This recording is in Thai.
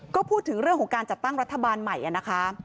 ก็พูดถึงเรื่องของการจัดตั้งรัฐบาลใหม่นะคะ